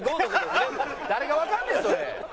誰がわかんねんそれ！